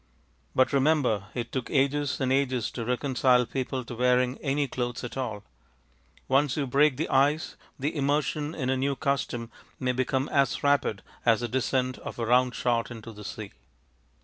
But remember it took ages and ages to reconcile people to wearing any clothes at all. Once you break the ice the immersion in a new custom may become as rapid as the descent of a round shot into the sea.